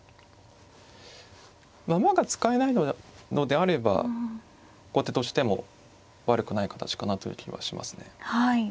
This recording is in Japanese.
馬が使えないのであれば後手としても悪くない形かなという気はしますね。